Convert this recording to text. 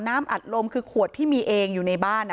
อัดลมคือขวดที่มีเองอยู่ในบ้าน